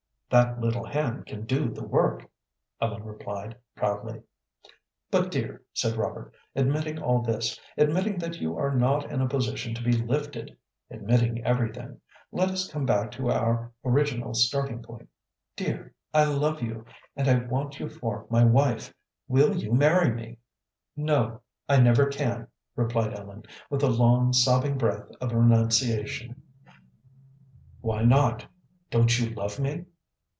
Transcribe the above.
"That little hand can do the work," Ellen replied, proudly. "But, dear," said Robert, "admitting all this, admitting that you are not in a position to be lifted admitting everything let us come back to our original starting point. Dear, I love you, and I want you for my wife. Will you marry me?" "No, I never can," replied Ellen, with a long, sobbing breath of renunciation. "Why not? Don't you love me?"